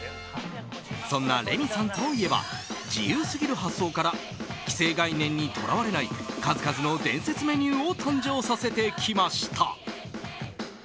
そんなレミさんといえば自由すぎる発想から既成概念にとらわれない数々の伝説メニューを誕生させてきました。